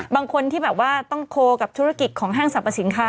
บางคนที่แบบว่าต้องโคลกับธุรกิจของห้างสรรพสินค้า